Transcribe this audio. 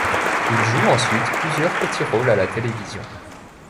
Il joue ensuite plusieurs petits rôles à la télévision.